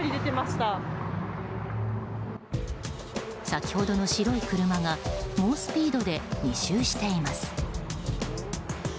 先ほどの白い車が猛スピードで２周しています。